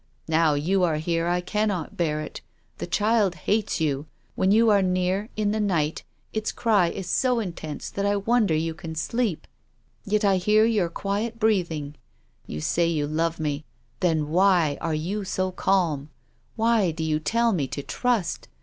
Now you are here I can not bear it. The child hates you. When you are near — in the night — its cry is so intense that I wonder you can sleep. Yet I hear your quiet breathing. You say you love me. Then why are you so calm? Why do you tell me to trust?